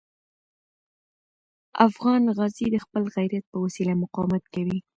افغان غازي د خپل غیرت په وسیله مقاومت کوي.